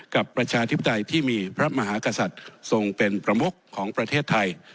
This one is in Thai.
ประชาธิปไตยที่มีพระมหากษัตริย์ทรงเป็นประมุขของประเทศไทย